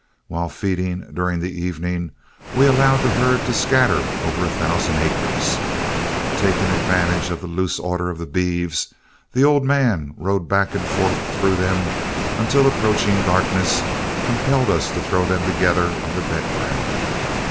While feeding during the evening, we allowed the herd to scatter over a thousand acres. Taking advantage of the loose order of the beeves, the old man rode back and forth through them until approaching darkness compelled us to throw them together on the bedground.